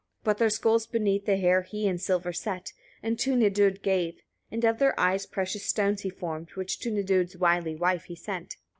23. But their skulls beneath the hair he in silver set, and to Nidud gave; and of their eyes precious stones he formed, which to Nidud's wily wife he sent.